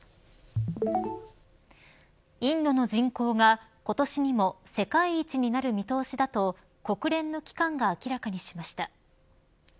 インドの人口が今年にも世界一になる見通しだと国連の機関が明らかにしました。